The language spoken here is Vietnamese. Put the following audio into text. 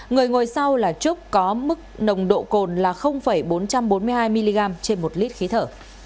người ngồi sau là trúc có mức nồng độ cồn là bốn trăm bốn mươi hai mg trên một lít khí thở